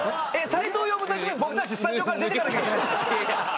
斉藤呼ぶだけで僕たちスタジオから出てかなきゃいけないんですか？